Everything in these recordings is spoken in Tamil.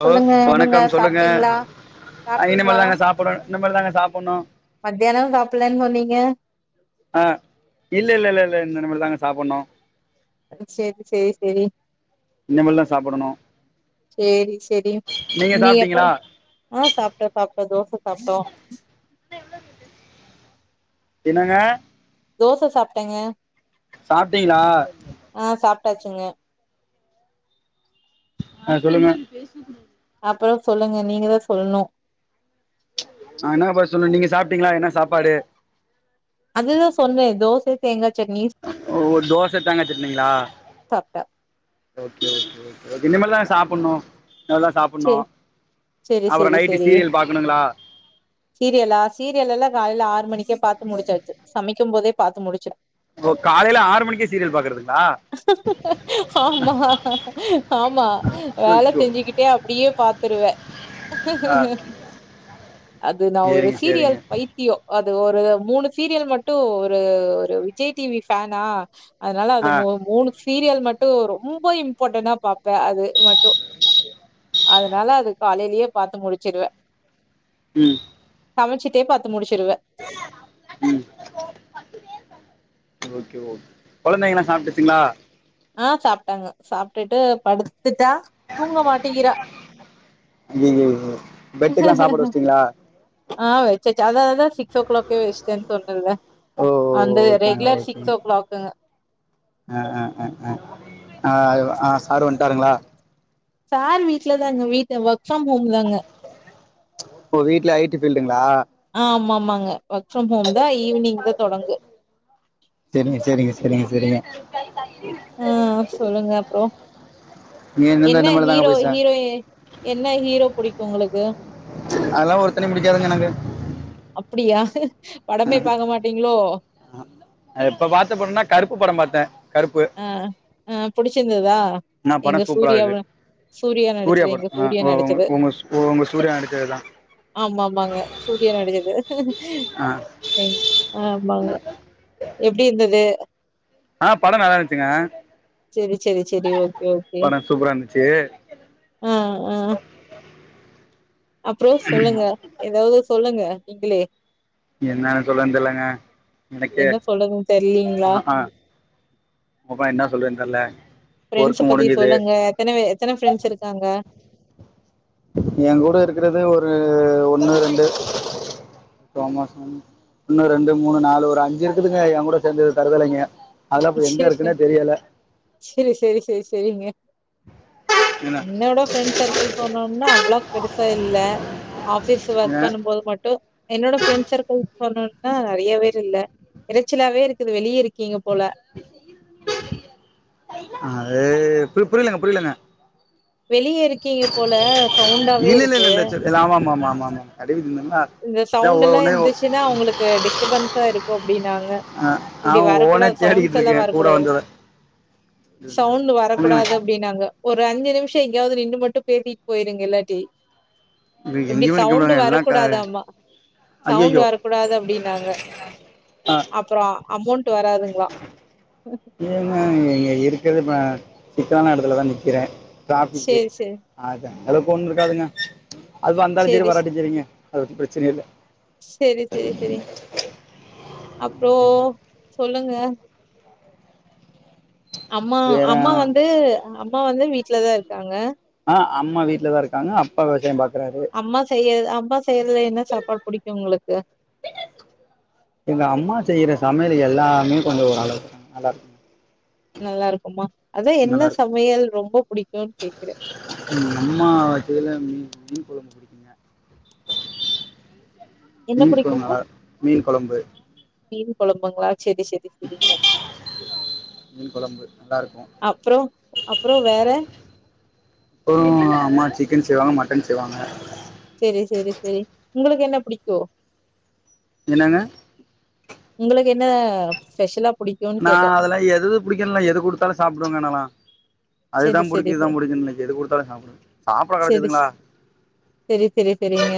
ஹலோ சொல்லுங்க வணக்கம் சொல்லுங்க சாப்ட்டீங்களா இனி சாப்ட்டீங்களா மேல் தாங்க சாப்பிடனு இனி மேல் தாங்க சாப்புட்ணு மத்தியானோ சாப்புட்லன்னு சொன்னீங்க அ இல்லேல்ல ல லல ல இனி மேல் தா சாப்புடனோ சேரி சேரி சேரி இனிமேல் தான் சாப்பிடணும் சேரி சேரி நீங்க இனி எப்போ சாப்பிட்டீங்களா ஆஹ் சாப்ட்ட சாப்ட்ட தோச சாப்டோ என்னங்கா தோச சாப்ட்டேங்க சாப்பிட்டீங்ளா ஆ சாப்ட்டாச்சுங்க ஆ சொல்லுங்க அப்புறம் சொல்லுங்க நீங்க தா சொல்லணும் ஆ என்ன ஃபஸ்ட் சொல்லணும் நீங்க சாப்ட்டீங்களா என்ன சாப்பாடு அதுதான் சொன்ன தோசை தேங்கா சட்னி ஓ தோச தேங்கா சட்னிங்களா சாப்ட்டே ஓகே ஓகே ஓகே இன்னிமேல தா சாப்புண்ணும் சேரி சேரி அப்புறம் சேரி நைட்டு சேரி சீரியல் பார்க்கணுங்களா சீரியலா சீரியலெல்லா காலைல ஆறு மணிக்கே பாத்து முடிச்சாச்சு சமைக்கும் போதே பாத்து முடிச்சாசு ஓ காலையில ஆறு மணிக்கே சீரியல் பார்க்கறதுங்களா ஆமா ஆமா வேல அச்சச்சோ செஞ்சுக்கிட் அப்டியே பாத்துருவேன் ஆ அது நான் ஒரு சரிங்க சீரியல் சரிங்க பைத்தியம் து ஒரு மூணு சீரியல் மட்டும் ஒரு ஒரு விஜய் டிவி ஃபேனா அதனால அது ஆ மூ மூணு சீரியல் மட்டும் ரொம்ப இம்பார்ட்டன்னா பாப்ப அது மட்டு அதனால அது காலைலயே பாத்து முடிச்சிருவேன் ம்ம் சமச்சிட்டே பாத்து முடிச்சுிருவேன் ம் ஓகே ஓகே கொழந்தைங்கல்லா சாப்ட்டுச்சீங்களா ஆஹ் சாப்ட்டாங்க சாப்ட்டுட்டு படுத்துட்டா தூங்க மாட்டேங்கிறா. அய்யயோ பெட்டுக்குல்லா சாப்பாடு வச்சிட்டீங்களா அதா அதா சிக்ஸ் ஓ கிளாக்கே வச்சிட்ட சொன்னல்ல ஓ அந்த ஓகேங்க ரெகுலர் சிக்ஸ் ஓகேங்க ஓ கிளாக்குங்க அஹ் ஆஹ் சாரு வண்டாருங்களா சாரு வீட்லதாங்க வீட்ல ஒர்க் ஃப்ரம் ஹோம் தாங்க ஓ வீட்ல ஐடி ஃபீல்டுங் ஆமாம் மாங்க ஒர்க் ஃப்ரம் ஹோம்தா ஈவினிஙதா தொடங்கு சரிங்க ஆஹ் சொல்லுங்க அப்ரோ நீ இந்தந்த என்ன இந்த மாரி தாங்க ஹீரோ பேசுவ ஹீரோய என்ன ஹீரோ புடுக் உங்களுக்கு அதல்லா ஒருத்தனையு புடிக்காதுங்க எனக்கு அப்டியா படமே பாக்க மாட்டீங்ளோ இப்ப பாத்த படம்ன்னா கருப்பு படம் பாத்த கருப்பு ஆஹ் ஆஹ் புடிச்சிருந்ததா ஆனா எங்க படம் சூப்பரா இருக்கு சூர்யாவ சூரியா சூர்யா நடிச்சது எங்க படம் ஆ சூர்யா ஓ நடிச்சது உங்க உங்க சூர்யா நடிச்சதுதா ஆமா ஆமாங்க சூர்யா நடிச்சது ஆ எ ஆமாங்க எப்டி இந்து அது ஆஹ் படோ நலாருச்சுங்க சரி சரி சரி ஓகே ஓகே சூப்பரா இருந்துச்சு ஆஹ் ஆஹ் அப்றம் சொல்லுங்க எதாவது சொல்லுங்க நீங்களே என்னானு சொல்ரதுன் தெர்லங்க எனக்கே என்ன சொல்றதுன்னு தெர்லீங்களா அ ஆஹ் அப்பா என்ன சொல்றன் தெர்ல ஒர்க்கு ப்ரண்ட்ஸ்ச பத்தி முடிஞ்சுது சொல்லுங்க எத்தன பே எத்தன ஃப்ரெண்ட்ஸ் இருக்காங்க ஏ கூட இருக்றது ஒரு ஒண்ணு ரெண்டு சோ மாச ஒன்னு ரெண்டு மூணு நாலு ஒரு அஞ்சு இருக்குதுங்க என் கூட சேர்ந்து தருதலைங்க அதலா இப்ப எங்க செரி இருக்குனே தெரியல சரிங்க என்ன என்னோட ஃப்ரெண்ட்ஸ் சர்க்கிள் போனோம்னா அவ்ளாக் பிடிப்ப இல்ல ஆபிஸ் ஒர்க் ஏ பணும்போது மட்டு என்னோட ஃப்ரெண்ட்ஸ் சர்கிள் சொன்னனா நெறய பேருல்ல இறச்சிலாவே இருக்குது வெளியருக்கிங்க போல அது பு புரிலங்க புரிலங்க வெளிய இருக்கிங்க போல சவுண்டாவே இல்ல இல்ல இருக்கு இல்ல இல்ல சரி ஆமா ஆமா ஆமா ஆமா கடை வீதில நின்னு இந்த சவுண்டுலா இந்துச்சுனா அவங்ளுக்கு டிஸ்டபன்ஸா இருக்கு அப்டின்னு ஆஹ் அவா ஓனே எல்லாம் தேடிக்கிட்ருக்க கூட வரக்கூடாது. வந்தத சவுண்ட் வரக்கூடாது அப்டினாங்க ஒரு அஞ்சு நிம்ஷ எங்கியாவது நின்னு மட்டும் பேசிட் போயிருங்க இல்லாட்டி இங்க இப்டி எங்யுமே நிக்க சவுண்ட் முடியாதுங்க எல்லாம் க வரக்கூடாதாம்மா. சவுண்ட் ஐயையோ வரக்கூடாது அப்டினாங்க ஆ அப்றம் அமௌண்ட் வராதுங்ளா ஏங்க இருக்றது நா சிக்கலான இடத்துலதா நிக்கிற ட்ராபிக்கு சரி, சரி, அதா எலோ போண்ருக்காதுங்க அது வந்தாலும் சேரி சரி, சரி. வராட்டியும் சேரிங்க அதபத்தி பிரச்சனயில்ல சரி சரி சரி சரிங்க ஓகேங்க அப்றம் சொல்லுங்க அம்மா வேற அம்மா வந்து அம்மா வந்து வீட்லதா இருக்காங்க ஆ அம்மா வீட்லதா இருக்காங்க அப்பா விவசாயோ பாக்குறாரு அம்மா செய்யற அம்மா ச தேர்ல என்ன சாப்பாடு புடிக்கு உங்களுக்கு ப எல்லாமே கொஞ்சொ ஓரளவு நல்லாருக்கு நல்லாருக்குமா அதா என்ன இருக்கு சமையல் ரொம்ப புடிக்குன் கேக்குறே எங்க அம்மா வச்சதுல மீன் மீன் கொழம்பு புடிக்குங்க என்ன மீன் கொழம்பு புடிக்குங்க? நல்லா மீன் கொழம்பு கொழம்பங்ளா செரி செரி சரிங்க மீன் கொழம்பு நல்லா இருக்கு அப்பறோ அப்புறோ வேற அப்றோம் அம்மா சிக்கன் செய்வாங்க மட்டன் செய்வாங்க சேரி சேரி சேரி உங்களுக் என்ன புடிக்கு என்னாங்க உங்களுக்கு என்ன ஸ்பெஷலா புடிக்கும்னு நா கேட்டேன். அதெலா எது புடிக்குன்லா எது குடுத்தாலு சாப்டுவங்க நாலா அதுதா சரி, சரி, புடிக்கு இதா சரி. புடிக்குன்ல எது குடுத்தாலு சாப்டுவ சாப்பாடு சரி, கெடச்சதுங்ளா சரி, சரி, சரிங்க.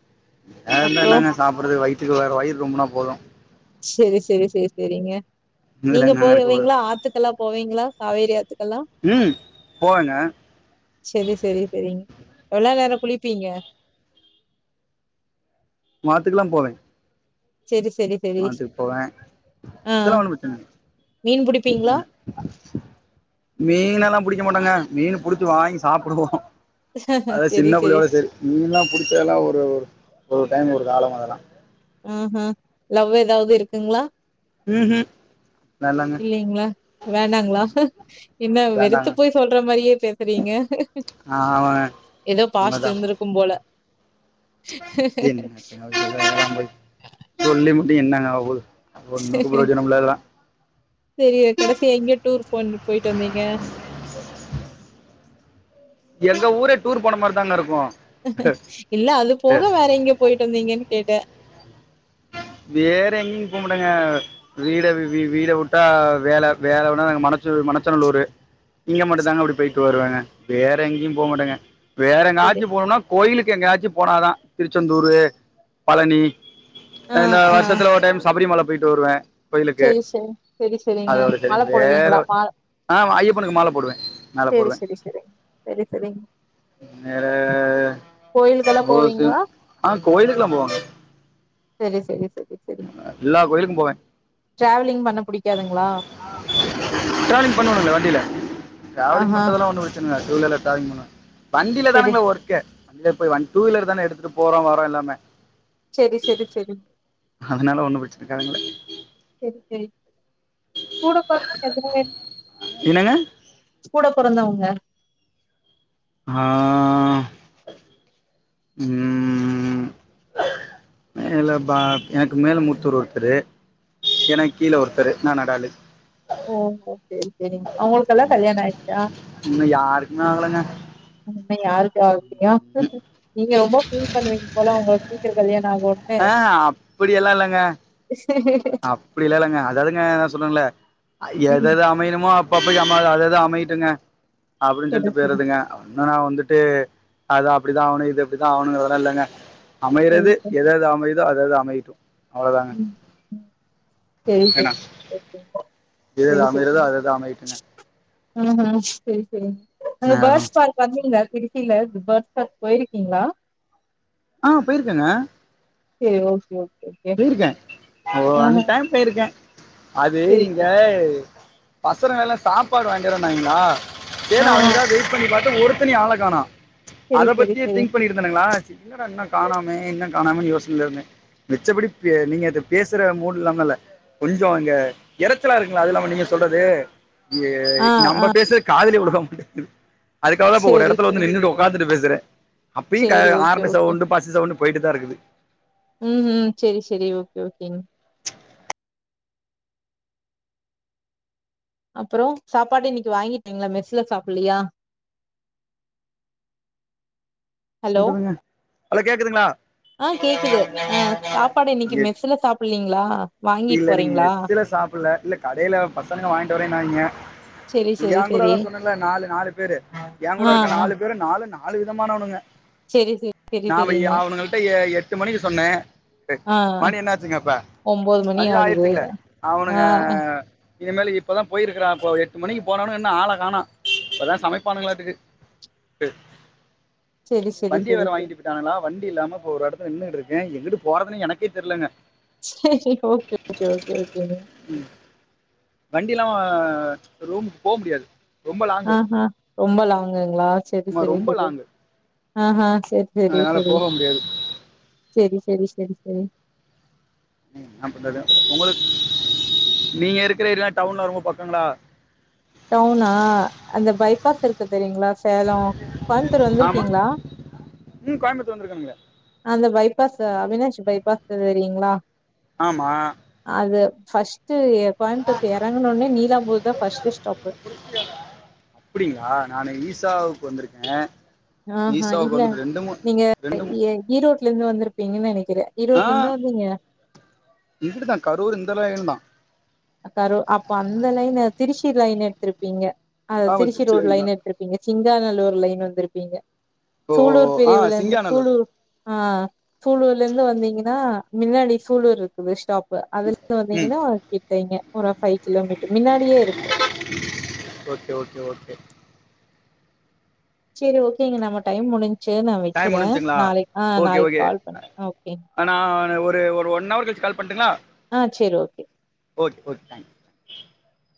[unintelligible] அப்புறம்? என்னாங்க சாப்றது வயித்துக்கு வேற வயிற் நோம்புனா போது செரி செரி செரி செரிங்க இதுல நீங்க என்னங்க இருக்க போது போகுவீங்ளா ஆத்துக்கெல்லா போவீங்ளா காவேரி ஆத்து கல்லா ம் போவேங்க செரி செரி செரிங்க எவ்ல நேரொ குளிப்பீங்க மாத்துக்குலா போவே செரி செரி செரி மாத்துக் போவே ஆ இதெல்லா ஒண்ணு ப்ரச்சன மீன் இல்ல புடிப்பீங்களா ஆஹ் மீனெல்லா புடிக்க மாட்டொங்க மீனு புடுச்சு வாங்கி சாப்டுவோ அத சின்ன புள்ளயோட செரி மீன்ல்லா புடுச்சதெல்லா ஒரு ஒரு ஒரு டைம் ஒரு காலம் அதல்லா ஆஹ் ஹ்ம் லவ் எதாவுது இருக்குங்ளா ம்ஹம் இல்லைங்ளா வேண்டாங்ளா என்ன வெறுத்து வேண்டாங்க போய் சொல்ற மாரியே பே செரீங்க ஆ ஆமாங்க எதோ பாஸ்ட் இருந்துருக்கும் போல என்னத்த [inaudible] சொல்லி மு ப்டி என்னாங்க ஆவ போது அது ஒண்ணுக்கு பிரயோஜனம் இல்ல அதெல்லா சரிய கடைசி எங்க டூர் [inaudible] போயிட்டு வந்தீங்க எங்க ஊரே டூர் போன மாரிதாங்க இருக்கும் இல்ல அது போக வேற எங்க போயிட்டு வந்தீங்கன்னு கேட்டே வேற எங்கேயும் போக மாட்டங்க வீட வீ வீ விடாவுட்ட வேல வேல வேனா நாங்க மனச்சு மனச்சநல்லூரு இங்க மட்டும் தாங்க அப்டி போயிட்டு வருவாங்க வேற எங்கேயும் போக மாட்டேங்க வேற செரி எங்கயச்சி போனும்னா கோயிலுக் எங்காச்சும் போனாதா திருச்செந்தூர் பழனி ஆ இந்த ஆ வர்ஷத்துல ஒரு டைம் சபரிமல போய்ட்டு வருவே கோயிலுக்கு செரி செரி செரி செரிங்க அதோட சரி மால வேற போடுவீங்களா மா ஆமா ஐயப்பனுக்கு மால போடுவே மால செரி போடுவே செரி செரிங்க செரி செரிங்க வேற கோயிலுக்கெல்லா போவீங்களா [unintelligible] ஆஹ் கோயிலுக்குல்லா போவாங்க செரி செரி செரி செரி எல்லா கோயிலுக்கு போவே டிராவலிங் பண்ண புடிக்காதுங்களா டராவலிங் பண்ணுவனுங்களே வண்டியில டராவலிங் ஆஹா பண்றதெல்லா ஒன்னு ப்ரச்சன இல்ல அது சூழ்நெலப் டராவலிங் பண்ண வண்டியில செரி தானுங்களே ஒர்க்கே இதுளியே போய் வண் டூ வீலர் தான எடுத்துட்டு போறோ வரோ எல்லாமே சரி சரி சரி அதனால ஒண்ணு பிரச்சிருக்காரங்கள சரி சரி கூட [unintelligible] என்னங்க கூட பொறந்தவங்க ஆஹ் உம் மேல பா எனக்கு மேல முத்தூர் ஒருத்தர் எனக்கு கீழே ஒருத்தர் நா நடாளு ஓஓ சரி சரி அவங்களுக்கெல்லா கல்யாண ஆய்டுச்சா இன்னு யாருக்குமே ஆகலங்க இன்னு யாருக்குமே ஆகல [unintelligible] நீங்க ரொம்ப ஃபீல் பண்ணுவீங்க போல உங்களுக்கு சீக்கிர கல்யாண ஆகலனு அஹ் அப்படியல்லாம் இல்லங்க அப்படிலா இல்லங்க அதாவதுங்க என்ன சொல்லன்ல ஐ ம் எதுது அமையுமோ அப்ப அப்ப அம்மா அதது அமைட்டுங்க அப்படின்னு செரி சொல்லிட்டு செரி போயிரதுங்க என்னன்னா வந்துட்டு அது அப்படிதான் ஆணும் இது அப்படிதான் ஆணுங்கறதெல்லாம் இல்லங்க செரி அமையறது சார் எதுது அமை அதது அமையட்டும் அவ்வளோதாங்க ம் செரி என்னா செரி எதுது அமையறதோ அது அது அமையட்டுங்க ஆஹ் ஆஹ் சேரி சேரி ங்க பேர்ட்ஸ் பார்க் வந்துடுங்க இடுக்கில பேட்ஸ் பார்க் போய்ர்க்கீங்களா ஆஹ் போயிர்கேங்க சேரி ஓகே ஓகே ஓகே போய்ர்கேன் ஒரு ஆஹ ஒன் டைம் போய்ர்கேன் அது சரி இங்க சரி பசங்க எல்லாம் சாப்பாடு வாங்கிட்டு வரேனாகளா ஆ சேரினு அவனுங்களுக்காக வெயிட் பண்ணி பாத்த ஒரு ஒருத்தனையு ஆள காணு சரி அத சரி பத்தியே சரி திங்க் பண்ணிட்டு இருந்தோனுங்களா என்னடா இன்னும் காணாமே என்ன காணமேன் யோசனைல இருந்தே மிச்சப்படி இப் நீங்க இந்த பேசுற மோட் இல்லாம இல்ல கொஞ்சம் இங்க இரச்சலா இருக்குங்களா அது இல்லாம நீங்க சொல்றது ங்க ஆ ஆ நம்ப பேசுற காதுல விழுக [unintelligible] அதுக்காவதா இப்ப ஒரு சரி எடத்துல சரி வந்து நின்னுட்டு உக்காந்துட்டு பேசுறே அப்பிய்க சரி ஓகே ஆறனு சவுண்டு பஸ்ஸு சவுண்டு போயிட்டு தான் இருக்குது உம் உம் சேரி சேரி ஓகே ஓகேங்க அப்றம் சாப்பாடு இன்னைக்கு வாங்கிட்டீங்களா மெஸ்ல சாப்புல்லையா ஹலோ பண்றதுங்க ஹலோ கேக்குதுங்களா ஆஹ் கேக்குது ஆஹ் சாப்பாடு இன்னைக்கு எ- மெஸ்ல சாப்புலீங் ங்களா இல்ல இன்னைக்கு மெஸ்ல சாப்புட்ல இல்ல கடையில பசங்க வாங்கிட்டு வரேனாங்க சரி சரி ஏன் சரி கூடதான் சொன்னல நாலு நாலு பேரு என் கூட ஆ இருக்க ஆ நாலு பேரு நாலு நாலு நாலு விதமானவனுங்க சரி சரி சரி நாம சரிங்க அவனுகளுட்ட எட்டு மணிக்கு சொன்னே ஆ மணி என்ன ஆச்சுங்க இப்ப ஒன்பது மணி மணிதா ஆகுது ஆய்ருச்சிங்ளே ஆ அவனுக ஆ இனிமேலு இப்பதா போயிருக்கிறா இப்பவே எட்டு மணிக்கு போனாவனுங்க இன்னு ஆள காணௌ இப்பதா சமைப்பானுங்களாட்டுக்கு சரி சரி வண்டி சரி வேற சரி வாங்கிட்டு போய்ட்டானுங்ளா வண்டி ண்டி இல்லாம இப்ப ஒரு எடத்துல நின்னுட்டு இருக்க எங்கிட்டு போறதுனு எனக்கே தெரியலங்க சேரி சேரி ஓகே ஓகே ஓகே ஓகேங்க வண்டி இல்லாம ரூமுக்கு போ முடியாது ரொம்ப ஆ லாங்கு ஆ ரொம்ப லாங்கு ங்களா சேரி ஆமா சேரி ரொம்ப சேரி லாங்கு ஆ ஆஹா சேரி சேரி அதனால சேரி போக முடியாது சேரி சேரி சேரி சேரி என்னா பண்றது உங்களுக்கு நீங்க இருக்கிற ஏரியா டவுன்ல்ல ரொம்ப பக்கங்ளா டவுனா அந்த பைபாஸ் இருக்கு தெரியுங்ளா சேலோ கோயம்புத்தூர் ஆமாம் வந்திருக்கீங்களா ம் கோயம்புத்தூர் வந்திருக்கணுங்களே அந்த பைபாஸ் அவினாஷி பைபாஸ் தெரியுங்ளா ஆமா ஃபஸ் ட்டு கோயம்த்தூர்க்கு எறங்குனோட்னே நீலாம்பூர் தா ஃபஸ்ட்டு ஸ்டாப் அப்படிங்களா நானு ஈசாவ்க்கு வந்திருக்கே ஆஹ் ஆஹ் இல்ல நீங்க எ ஈரோ ட்லருந்து வந்திருப்பீங்கன் நெனைக் ஆஹ் இப்டி தா கரூர் இந்தல்லே இருந்தா கரூ அப்போ அந்த லைனு திருச்சி லைன் எடுத்திருப்பீங்க அத திருச்சி ரோடு் லைன் எடுத்திருப்பீங்க சிங்காநல்லூர் லைன் வந்திருப்பீங்க ஓ சூலூர் ஆ பிரிவுலருந்து சிங்காநல்லூர் சூலூர் ஆ சூலூர்லருந்து வந்தீங்கன்னா மின்னாடி சூலூர்ருக்குது ஸ்டாப் பு அது [inaudible] ம் வந்தீங்கன்னா கிட் டைங்க ஒரு ஃபைவ் கிலோமீட்டர் மின்னாடியே இருக்கு ஓகே ஓகே ஓகே சேரி ஓகேங்க நம்ம டைம் முடின் ச்சு நா டைம் வெக்கிறே முடிஞ்சுங்களா நாளைக் ஆ ஓகே நாளைக் ஓகே கால் பண்ணுங் அ ஓகேங்க நான் ஒரு ஒரு ஒன் அவர் கழிச்சு கால் பண்ட்டுங்களா அ சேரி okay okay okay thank thank